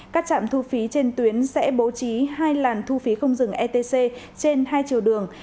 các trạm thu phí trên tuyến sẽ bố trí hai làn thu phí không dừng etc trên hai chiều đường